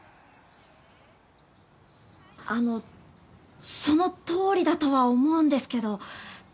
あのそのとおりだとは思うんですけど。